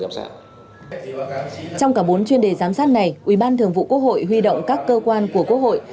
trong cả bốn chuyên đề giám sát này ủy ban thường vụ quốc hội huy động các cơ quan của quốc hội